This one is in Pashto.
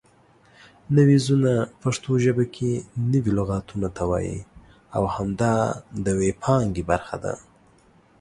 نویزونه پښتو ژبه کې نوي لغتونو ته وایي او همدا د وییپانګې برخه ده